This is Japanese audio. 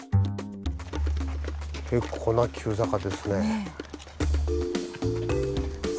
結構な急坂ですね。